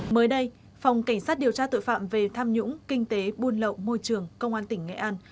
mới đây phòng cảnh sát điều tra tội phạm về tham nhũng kinh tế buôn lậu môi trường công an tỉnh nghệ an